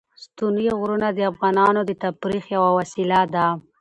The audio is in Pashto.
ستوني غرونه د افغانانو د تفریح یوه وسیله ده.